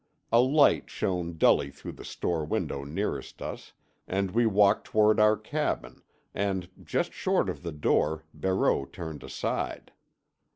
A light shone dully through the store window nearest us, and we walked toward our cabin, and just short of the door Barreau turned aside.